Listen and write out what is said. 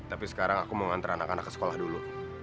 tapi sekarang aku mau ngantar anak anak ke sekolah dulu